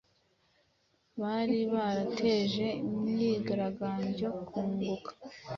Bari barateje imyigaragambyo kunguka